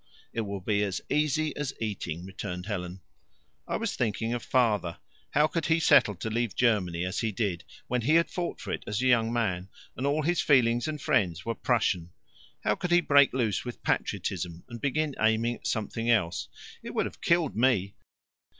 "It will be as easy as eating," returned Helen. "I was thinking of Father. How could he settle to leave Germany as he did, when he had fought for it as a young man, and all his feelings and friends were Prussian? How could he break loose with Patriotism and begin aiming at something else? It would have killed me.